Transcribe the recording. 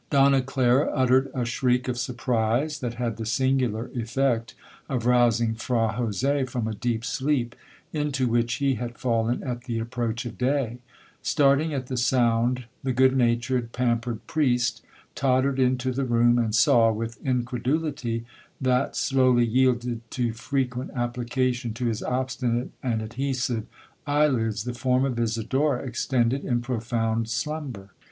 Donna Clara uttered a shriek of surprise, that had the singular effect of rousing Fra Jose from a deep sleep into which he had fallen at the approach of day. Starting at the sound, the good natured, pampered priest, tottered into the room, and saw, with incredulity that slowly yielded to frequent application to his obstinate and adhesive eye lids, the form of Isidora extended in profound slumber.